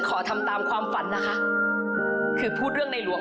ของท่านได้เสด็จเข้ามาอยู่ในความทรงจำของคน๖๗๐ล้านคนค่ะทุกท่าน